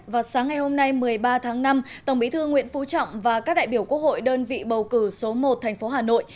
vào sáng ngày hôm nay một mươi ba tháng năm tổng bí thư nguyễn phú trọng và các đại biểu quốc hội đơn vị bầu cử số một thành phố hà nội